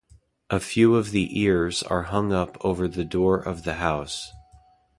A few of the ears are hung up over the door of the house.